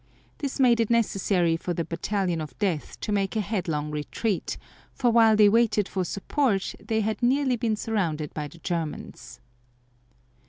This made it necessary for the Battalion of Death to make a headlong retreat, for while they waited for support they had nearly been surrounded by the Germans.